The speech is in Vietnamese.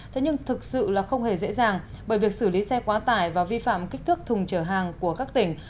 thế nhưng thực sự là không hề dễ dàng bởi việc xử lý xe quá tải và vi phạm kích thước thùng trở hàng của các tỉnh